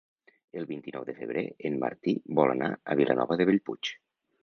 El vint-i-nou de febrer en Martí vol anar a Vilanova de Bellpuig.